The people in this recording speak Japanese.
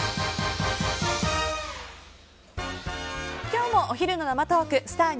今日もお昼の生トークスター☆